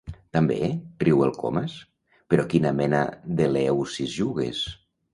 També? —riu el Comas— Però a quina mena d'Eleusis jugues?